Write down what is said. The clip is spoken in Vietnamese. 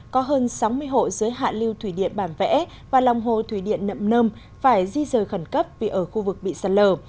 có hơn sáu mươi hộ dưới hạ lưu thủy điện bản vẽ và lòng hồ thủy điện nậm nơm phải di rời khẩn cấp vì ở khu vực bị sạt lở